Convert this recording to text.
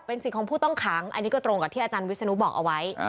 สิทธิ์ของผู้ต้องขังอันนี้ก็ตรงกับที่อาจารย์วิศนุบอกเอาไว้